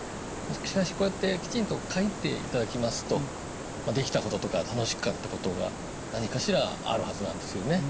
しかしこうやってきちんと書いていただきますと「できたこと」とか「楽しかったこと」が何かしらあるはずなんですよね。